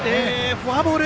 フォアボール。